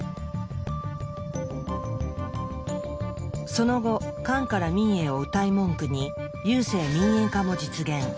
その後「官から民へ」をうたい文句に郵政民営化も実現。